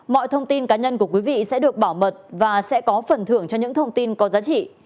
mọi thông tin cá nhân của quý vị sẽ được bảo mật và sẽ có phần thưởng cho những thông tin có giá trị